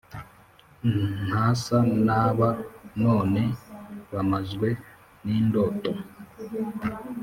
Ntasa n'aba none Bamazwe n'indoto